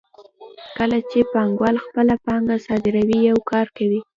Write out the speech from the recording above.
کله چې پانګوال خپله پانګه صادروي یو کار کوي